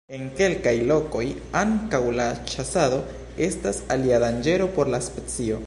En kelkaj lokoj ankaŭ la ĉasado estas alia danĝero por la specio.